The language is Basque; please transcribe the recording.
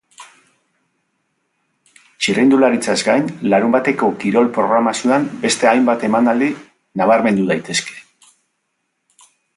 Txirrindularitzaz gain, larunbateko kirol programazioan beste hainbat emanaldi nabarmendu daitezke.